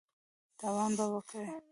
تاوان به وکړې !